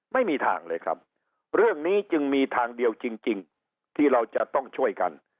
ไม่มีทางเลยครับเรื่องนี้จึงมีทางเดียวจริงที่เราจะต้องช่วยกัน